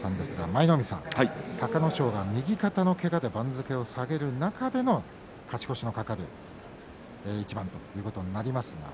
舞の海さん隆の勝が右肩のけがで番付を下げる中での勝ち越しの懸かる一番ということになります。